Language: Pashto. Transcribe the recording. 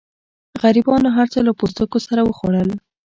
غریبانو هر څه له پوستکو سره وخوړل.